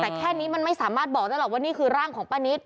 แต่แค่นี้มันไม่สามารถบอกได้หรอกว่านี่คือร่างของป้านิต